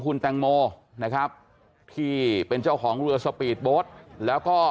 คุณแตงโมนะครับที่เป็นเจ้าของเรือสปีดโบ๊ทแล้วก็